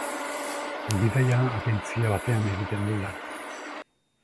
Bidaia-agentzia batean egiten du lan.